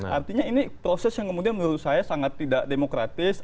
artinya ini proses yang kemudian menurut saya sangat tidak demokratis